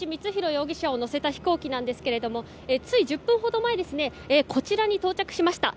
容疑者を乗せた飛行機ですがつい１０分ほど前こちらに到着しました。